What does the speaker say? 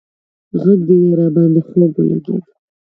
غږ دې راباندې خوږ ولگېد